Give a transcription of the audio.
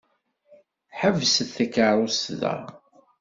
Ḥebset takeṛṛust da!